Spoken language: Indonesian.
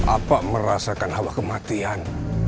apa merasakan hawa kematian